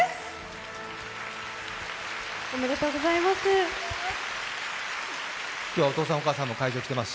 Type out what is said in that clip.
おめでとうございます。